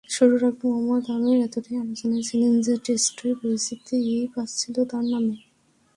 শুরুর আগে মোহাম্মদ আমির এতটাই আলোচনায় ছিলেন যে, টেস্টটাই পরিচিতি পাচ্ছিল তাঁর নামে।